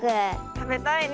たべたいね。